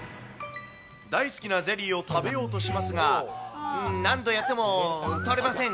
大好きなゼリーを食べようとしますが、何度やっても取れません。